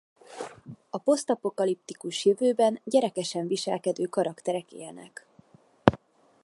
A poszt-apokaliptikus jövőben gyerekesen viselkedő karakterek élnek.